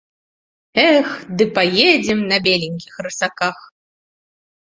Эх, ды паедзем на беленькіх рысаках.